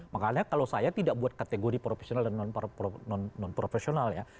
makanya kalau saya tidak buat kategori profesional dan non profesional ya